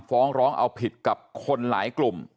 ฟ้องร้องเอาผิดกับคนหลายกลุ่ม